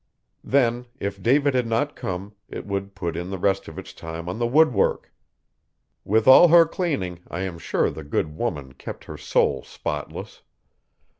Then, if David had not come, it would put in the rest of its time on the woodwork. With all her cleaning I am sure the good woman kept her soul spotless.